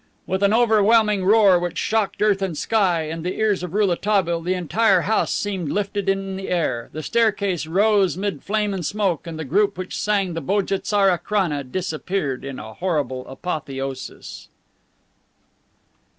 With an overwhelming roar, which shocked earth and sky and the ears of Rouletabille, the entire house seemed lifted in the air; the staircase rose amid flame and smoke, and the group which sang the Bodje tsara Krani disappeared in a horrible apotheosis.